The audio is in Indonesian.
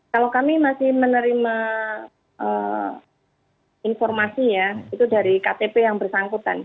kalau kami masih menerima informasi ya itu dari ktp yang bersangkutan